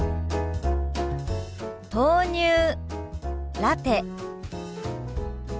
「豆乳ラテ」。